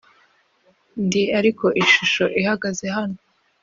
ndi ariko ishusho ihagaze hano,